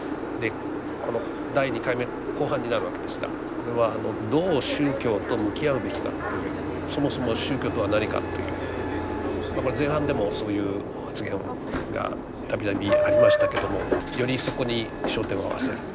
この第２回目後半になるわけですが「どう宗教と向き合うべきか」というそもそも宗教とは何かというこれ前半でもそういう発言が度々ありましたけどもよりそこに焦点を合わせる。